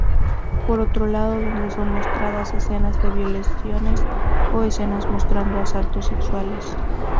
Por otro lado, dónde son mostradas escenas de violaciones o escenas mostrando asaltos sexuales.